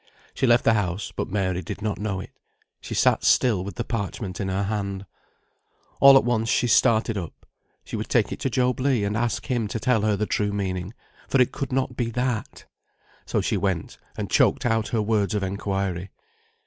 She left the house, but Mary did not know it. She sat still with the parchment in her hand. All at once she started up. She would take it to Job Legh and ask him to tell her the true meaning, for it could not be that. So she went, and choked out her words of inquiry.